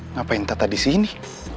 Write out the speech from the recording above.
ngapain tata di sini